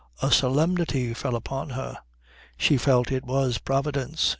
A solemnity fell upon her. She felt it was Providence.